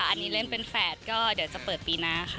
อันนี้เล่นเป็นแฝดก็เดี๋ยวจะเปิดปีหน้าค่ะ